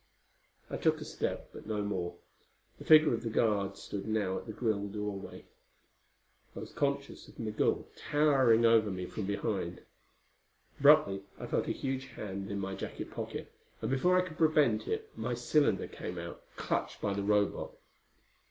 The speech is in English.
I took a step, but no more. The figure of the guard stood now at the grille doorway. I was conscious of Migul towering over me from behind. Abruptly I felt a huge hand in my jacket pocket, and before I could prevent it my cylinder came out, clutched by the Robot.